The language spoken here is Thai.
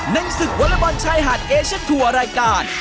ในศึกวรบรชายหาดเอเชียนทัวร์รายการ